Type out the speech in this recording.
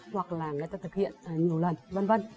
hoặc là người ta thực hiện nhiều lần v v